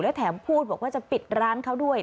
แถมพูดบอกว่าจะปิดร้านเขาด้วย